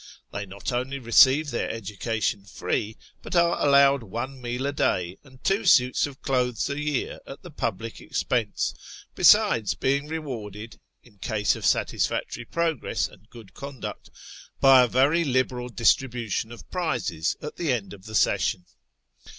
They not only receive their education free, but are allowed one meal a day and two suits of clothes a year at the public expense, besides being rewarded, in case of satisfactory progress and good conduct, by a very liberal distribution of prizes at the end of the session.